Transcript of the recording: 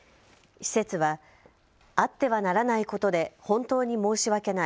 施設は、あってはならないことで本当に申し訳ない。